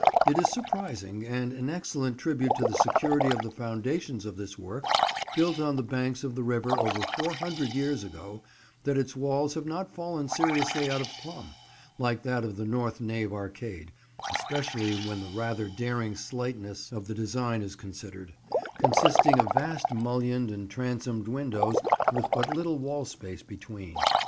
It is surprising, and an excellent tribute to the security of the foundations of this work, built on the banks of the river over four hundred years ago, that its walls have not fallen seriously out of plumb, like that of the north nave arcade; especially when the rather daring slightness of the design is considered, consisting of vast mullioned and transomed windows with but little wall space between.